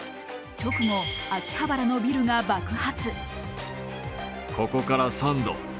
直後、秋葉原のビルが爆発。